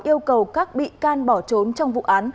yêu cầu các bị can bỏ trốn trong vụ án